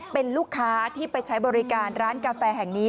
เป็นลูกค้าที่ไปใช้บริการร้านกาแฟแห่งนี้